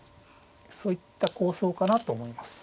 そういった構想かなと思います。